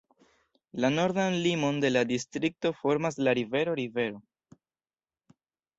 La nordan limon de la distrikto formas la rivero rivero.